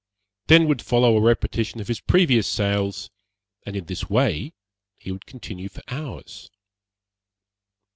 Then would follow a repetition of his previous sales, and in this way he would continue for hours.